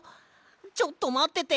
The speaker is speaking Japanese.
ちょっとまってて！